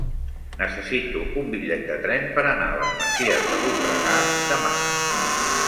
Necessito un bitllet de tren per anar a les Masies de Voltregà demà.